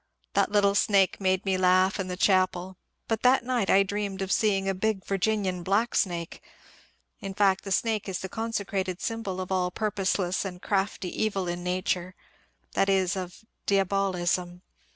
The little snake made me laugh in the chapel, but that night I dreamed of seeing a big Virginian black snake. In fact, the snake is the consecrated symbol of all purposeless and crafty evil in nature, — that is, of diabolism.